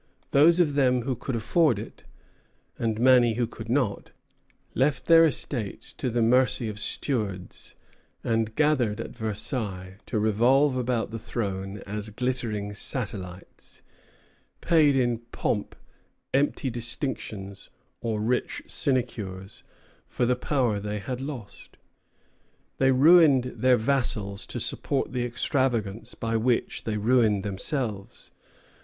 Those of them who could afford it, and many who could not, left their estates to the mercy of stewards, and gathered at Versailles to revolve about the throne as glittering satellites, paid in pomp, empty distinctions, or rich sinecures, for the power they had lost. They ruined their vassals to support the extravagance by which they ruined themselves.